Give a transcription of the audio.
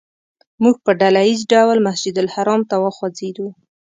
موږ په ډله ییز ډول مسجدالحرام ته وخوځېدو.